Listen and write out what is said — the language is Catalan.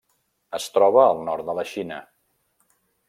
Es troba al nord de la Xina.